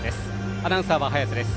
アナウンサーは早瀬です。